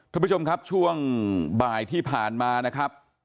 ท่านผู้ชมครับช่วงบ่ายที่ผ่านมานะครับ